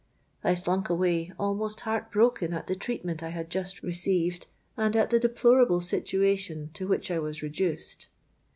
I slunk away, almost heartbroken at the treatment I had just received, and at the deplorable situation to which I was reduced.